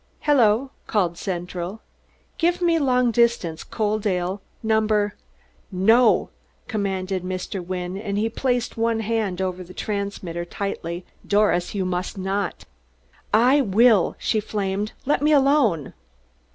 "Hello!" called Central. "Give me long distance Coaldale, Number " "No," commanded Mr. Wynne, and he placed one hand over the transmitter tightly. "Doris, you must not!" "I will!" she flamed. "Let me alone!"